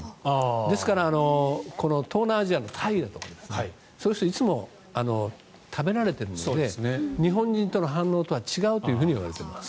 ですから東南アジアのタイだとかそういう人はいつも食べられているので日本人の反応とは違うといわれています。